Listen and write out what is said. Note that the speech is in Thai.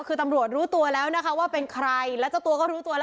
คือตำรวจรู้ตัวแล้วนะคะว่าเป็นใครแล้วเจ้าตัวก็รู้ตัวแล้ว